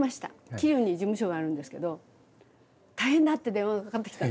桐生に事務所があるんですけど「大変だ！」って電話がかかってきたんですよ。